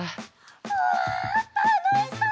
うわたのしそう！